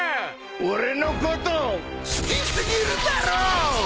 俺のこと好きすぎるだろぉ！